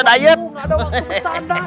gak ada waktu bercanda